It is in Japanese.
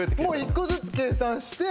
１個ずつ計算して。